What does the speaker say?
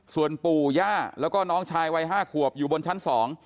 ส่วนปู่ย่าแล้วก็น้องชายวัยห้าขวบอยู่บนชั้นสอง